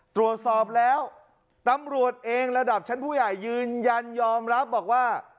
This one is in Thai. ตรวจสอบแล้วตำรวจเองระดับชั้นผู้ใหญ่ยืนยันยอมรับบอกว่า